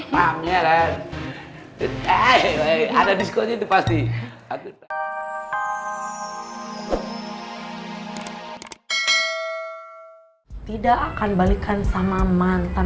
pasti ada diskusi depois di tidak akan balikan sama mantan